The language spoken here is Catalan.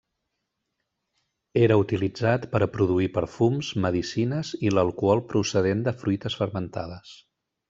Era utilitzat per a produir perfums, medicines i l'alcohol procedent de fruites fermentades.